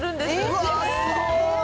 うわっ、すごい。